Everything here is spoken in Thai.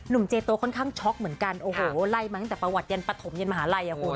เจโตค่อนข้างช็อกเหมือนกันโอ้โหไล่มาตั้งแต่ประวัติยันปฐมยันมหาลัยอ่ะคุณ